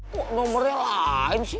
kok nomornya lain sih